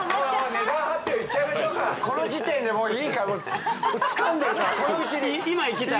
値段発表いっちゃいましょうかこの時点でもういいかもつかんでるからこのうちに今いきたい？